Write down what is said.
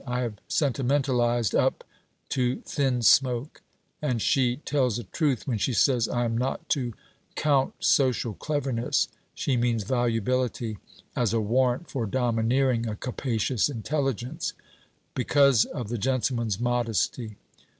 I have sentimentalized up to thin smoke. And she tells a truth when she says I am not to "count social cleverness" she means volubility "as a warrant for domineering a capacious intelligence": because of the gentleman's modesty.